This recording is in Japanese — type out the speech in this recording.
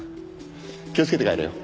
気をつけて帰れよ。